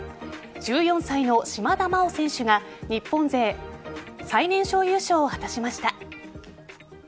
１４歳の島田麻央選手が日本勢最年少優勝を果たしました。